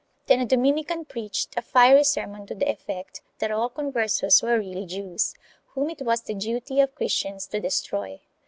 Then a Dominican preached a fiery sermon to the effect that all Conversos were really Jews, whom it was the duty of Christians to destroy.